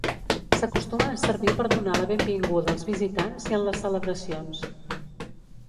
S'acostuma a servir per donar la benvinguda als visitants i en les celebracions.